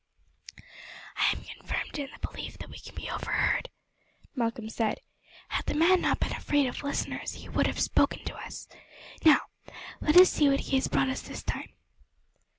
"I am confirmed in the belief that we can be overheard," Malcolm said. "Had the man not been afraid of listeners he would have spoken to us. Now let us see what he has brought us this time."